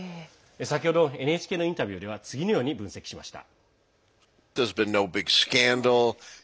先ほどＮＨＫのインタビューでは次のように分析しました。